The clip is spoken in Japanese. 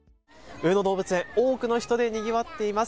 上野動物園、多くの人でにぎわっています。